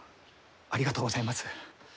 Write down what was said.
ありがとうございます。